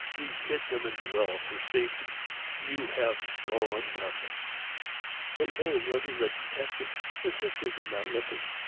We hid them in the well for safety. You have stolen them." In vain Rosy red protested. Her sisters would not listen.